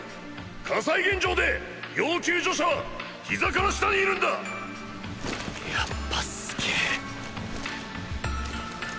火災現場で要救助者はヒザから下に居るんだやっぱ凄え